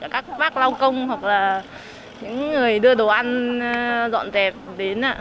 các bác lau công hoặc là những người đưa đồ ăn dọn dẹp đến